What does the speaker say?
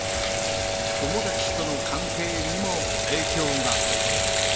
友達との関係にも影響が。